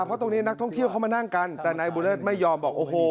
เพราะตรงนี้นักท่องเที่ยวเขามานั่งกันแต่นายบุเลิศไม่ยอมบอกโอ้โห